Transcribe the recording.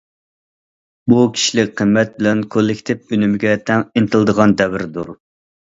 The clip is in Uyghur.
بۇ، كىشىلىك قىممەت بىلەن كوللېكتىپ ئۈنۈمىگە تەڭ ئىنتىلىدىغان دەۋردۇر.